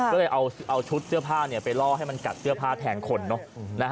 ก็เลยเอาชุดเสื้อผ้าไปล่อให้มันกัดเสื้อผ้าแทนคนเนอะ